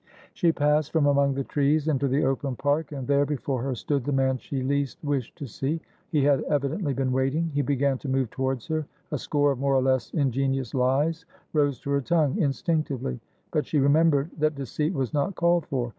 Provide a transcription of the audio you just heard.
She passed from among the trees into the open park and there before her stood the man she least wished to see. He had evidently been waiting; he began to move towards her. A score of more or less ingenious lies rose to her tongue, instinctively; but she remembered that deceit was not called for.